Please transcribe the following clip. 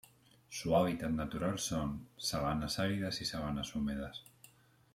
Su hábitat natural son: sabanas áridas y sabanas húmedas.